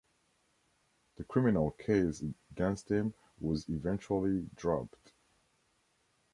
The criminal case against him was eventually dropped.